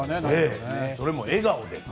それも笑顔で。